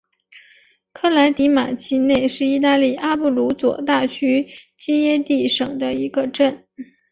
科莱迪马奇内是意大利阿布鲁佐大区基耶蒂省的一个镇。